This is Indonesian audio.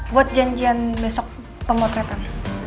buat janjian besok pemotretan